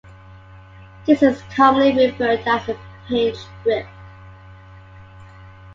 This is commonly referred to as a "pinch grip".